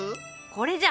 これじゃ。